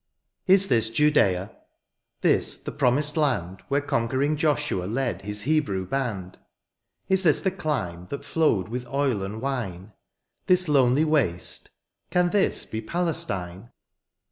Is this Judea ? this the promised land Where conquering Joshua led his Hebrew band ? Is this the clime that flowed with oil and wme. This lonely waste, — can this be Palestine